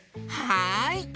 はい！